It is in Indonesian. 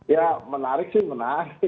ya menarik sih menarik